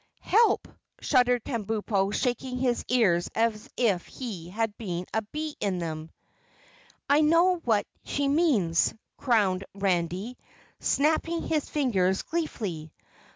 "Help!" shuddered Kabumpo shaking his ears as if he had a bee in them. "I know what she means," crowed Randy, snapping his fingers gleefully.